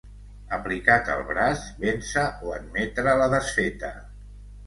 Aplicat al braç, vèncer o admetre la desfeta.